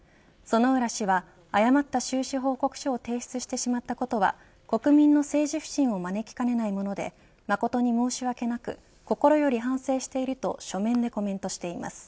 薗浦氏は、誤った収支報告書を提出してしまったことは国民の政治不信を招きかねないもので誠に申し訳なく心より反省していると書面でコメントしています。